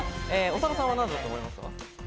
長田さんは何だと思いますか？